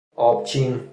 آب چین